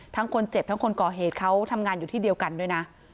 คนเจ็บทั้งคนก่อเหตุเขาทำงานอยู่ที่เดียวกันด้วยนะ